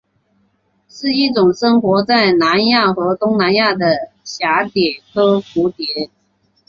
是一种生活在南亚和东南亚的蛱蝶科蝴蝶。